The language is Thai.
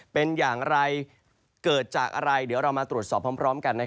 เป็นอย่างไรเกิดจากอะไรเดี๋ยวเรามาตรวจสอบพร้อมกัน